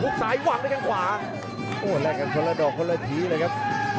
ครับเพื่อนด้อนเพื่อนทีเลยครับ